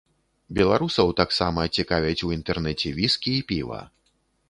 Беларусаў таксама цікавяць у інтэрнэце віскі і піва.